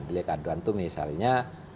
delik aduan itu misalnya